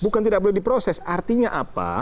bukan tidak boleh diproses artinya apa